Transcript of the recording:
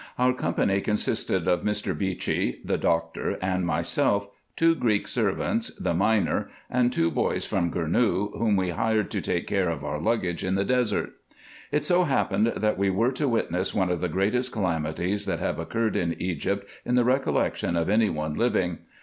Our company consisted of Mr. Beechey, the doctor, and myself, two Greek servants, the miner, and two boys from Gournou, whom we hired to take care of our luggage in the desert. It so happened, that we were to witness one of the greatest calamities that have occurred in Egypt in the recollection of any one living.